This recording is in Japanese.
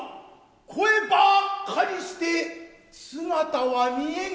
声ばっかりして姿は見えんが。